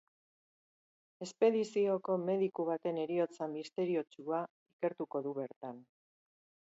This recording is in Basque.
Espedizioko mediku baten heriotza misteriotsua ikertuko du bertan.